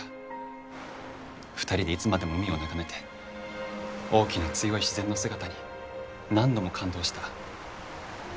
２人でいつまでも海を眺めて大きな強い自然の姿に何度も感動した。